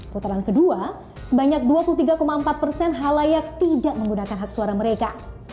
putaran kedua sebanyak dua puluh tiga empat persen halayak tidak menggunakan hak suara mereka